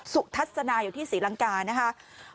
ทัศนาอยู่ที่ศรีลังกานะครับ